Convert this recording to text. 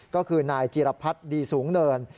ก็คือนายจีรพรรดิสูงเนิน